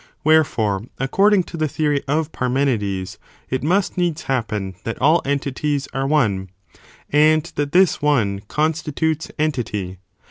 Wherefore, according to the theory of Parmenides, it must needs happen that all entities are one, and that this one constitutes entity.